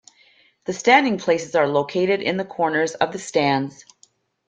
The standing places are located in the corners of the stands.